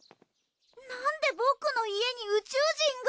なんで僕の家に宇宙人が。